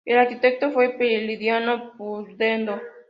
El arquitecto fue Prilidiano Pueyrredón.